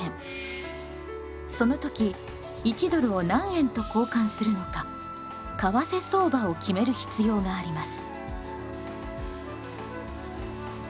その時１ドルを何円と交換するのか為替相場を決める必要があります。